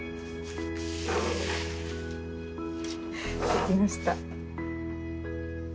できました。